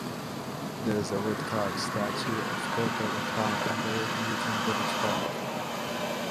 There is a woodcarved statue of 'Coco the clown' in the Woodnewton village park.